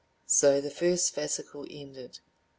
(So the first fascicle ended.